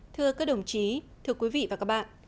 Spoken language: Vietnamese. thưa các đồng chí thưa quý vị và các bạn